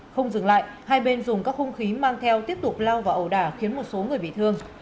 không dừng lại hai bên dùng các hung khí mang theo tiếp tục lao vào ẩu đả khiến một số người bị thương